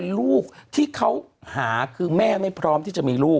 คุณหนุ่มกัญชัยได้เล่าใหญ่ใจความไปสักส่วนใหญ่แล้ว